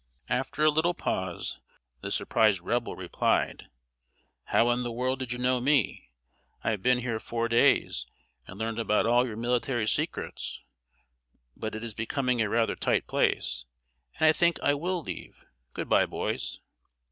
After a little pause, the surprised Rebel replied: "How in the world did you know me? I have been here four days, and learned about all your military secrets; but it is becoming a rather tight place, and I think I will leave. Good by, boys."